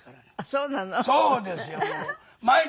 そうですよもう。